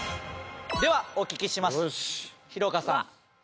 ではお聞きします